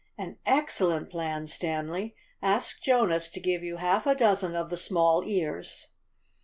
"An excellent plan, Stanley. Ask Jonas to give you half a dozen of the small ears."